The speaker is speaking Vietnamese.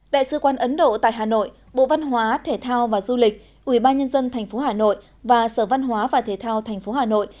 đại sứ quan ấn độ tại hà nội bộ văn hóa thể thao và du lịch ubnd tp hà nội và sở văn hóa và thể thao tp hà nội